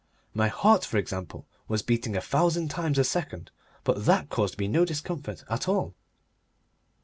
My heart, for example, was beating a thousand times a second, but that caused me no discomfort at all.